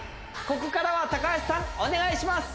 ここからは高橋さんお願いします